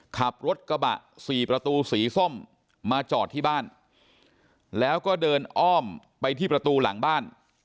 ขับรถกระบะสี่ประตูสีส้มมาจอดที่บ้านแล้วก็เดินอ้อมไปที่ประตูหลังบ้าน